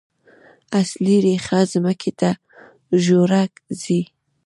اصلي ریښه ځمکې ته ژوره ځي